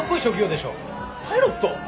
パイロット？